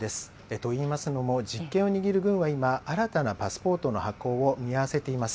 といいますのも、実権を握る軍は、新たなパスポートの発行を見合わせています。